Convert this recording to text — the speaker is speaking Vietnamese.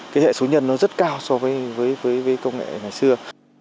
cái hệ số nhân nó rất cao so với công nghệ ngày xưa